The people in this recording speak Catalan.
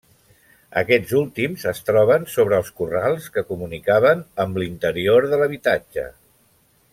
Aquests últims es troba sobre els corrals que comunicaven amb l'interior de l'habitatge.